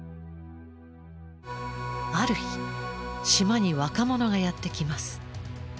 ある日島に若者がやって来ます。